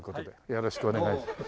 よろしくお願いします。